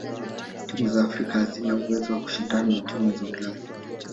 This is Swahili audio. timu za afrika hazina uwezo wa kushindana na timu za ulaya